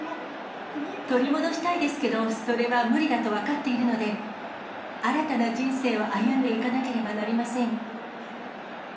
取り戻したいですけど、それは無理だと分かっているので、新たな人生を歩んでいかなければなりません。